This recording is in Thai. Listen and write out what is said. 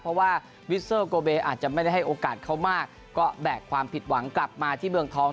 เพราะว่าวิสเซอร์โกเบอาจจะไม่ได้ให้โอกาสเขามากก็แบกความผิดหวังกลับมาที่เมืองทอง